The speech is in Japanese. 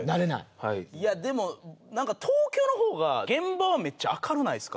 いやでもなんか東京の方が現場はめっちゃ明るないですか？